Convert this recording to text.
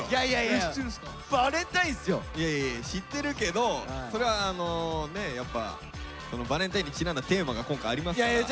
いやいやいや知ってるけどそれはやっぱバレンタインにちなんだテーマが今回ありますから。